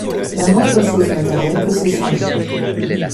La moindre chose matérielle peut s’échanger.